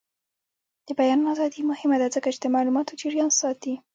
د بیان ازادي مهمه ده ځکه چې د معلوماتو جریان ساتي.